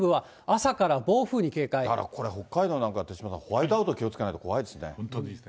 だからこれ、北海道なんか、手嶋さん、ホワイトアウト、気を本当ですね。